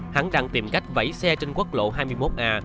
hắn đang tìm cách vẫy xe trên quốc lộ hai mươi một a